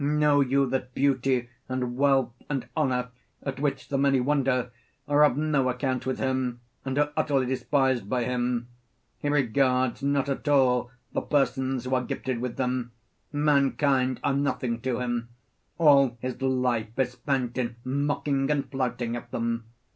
Know you that beauty and wealth and honour, at which the many wonder, are of no account with him, and are utterly despised by him: he regards not at all the persons who are gifted with them; mankind are nothing to him; all his life is spent in mocking and flouting at them.